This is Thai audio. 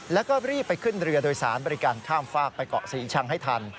แล้วก็รีบไปขึ้นเรือโดยสารบริการข้ามฝากไปเกาะศรีชังให้ทัน